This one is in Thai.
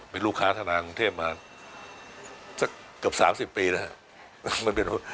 เป็นลูกค้าธนาคารกรุงเทพฯมาเกือบ๓๐ปีแล้ว